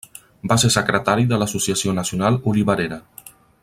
Va ser secretari de l'Associació Nacional Olivarera.